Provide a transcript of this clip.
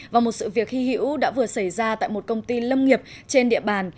và một sự việc hy hữu đã vừa xảy ra tại một công ty lâm nghiệp trên địa bàn